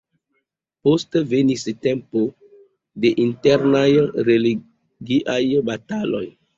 Poste venis tempo de internaj religiaj bataloj.